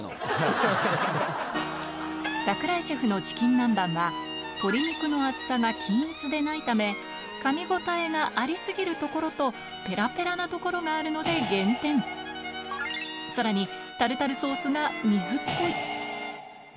櫻井シェフのチキン南蛮は鶏肉の厚さが均一でないためかみ応えがありすぎる所とペラペラな所があるので減点さらにねっ！